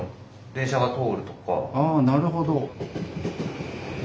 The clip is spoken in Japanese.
あなるほど！